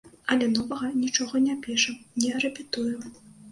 Але новага нічога не пішам, не рэпетуем.